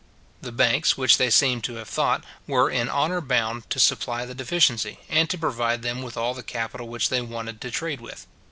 The banks, they seem to have thought, were in honour bound to supply the deficiency, and to provide them with all the capital which they wanted to trade with.